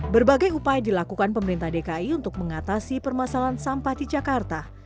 berbagai upaya dilakukan pemerintah dki untuk mengatasi permasalahan sampah di jakarta